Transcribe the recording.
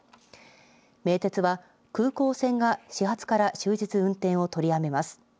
名鉄は空港線が始発から終日運転を取りやめます。